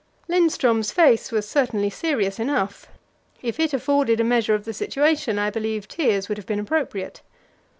Lindström's face was certainly serious enough; if it afforded a measure of the situation, I believe tears would have been appropriate.